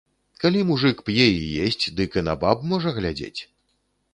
Калі мужык п'е і есць, дык і на баб можа глядзець!